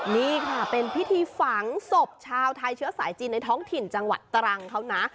นี่ค่ะเป็นพิธีฝังศพชาวไทยเชื้อสายจีนในท้องถิ่นจังหวัดตรังเขานะ